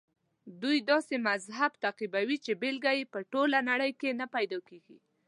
دوی داسې مذهب تعقیبوي چې بېلګه یې په ټوله نړۍ کې نه پیدا کېږي.